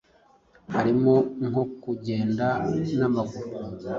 harimo nko kugenda n’amaguru